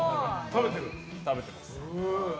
食べてます。